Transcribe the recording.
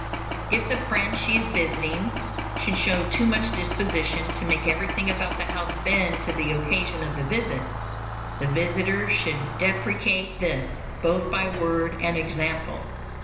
If the friend she is visiting should show too much disposition to make everything about the house bend to the occasion of the visit, the visitor should deprecate this, both by word and example.